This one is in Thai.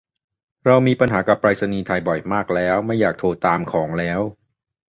เรามีปัญหากับไปรษณีย์ไทยบ่อยมากแล้วไม่อยากโทรตามของแล้ว